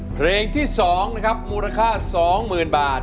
เพลงที่๒นะครับมูลค่า๒๐๐๐บาท